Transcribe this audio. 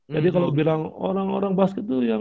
jadi kalau bilang orang orang basket tuh yang